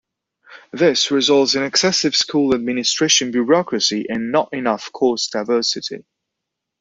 This results in excessive school administration bureaucracy and not enough course diversity.